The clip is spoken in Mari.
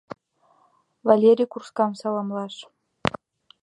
Валери курскам саламлаш.